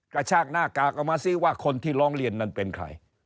กระชากหน้ากากออกมาซิว่าคนที่ร้องเรียนนั้นเป็นใคร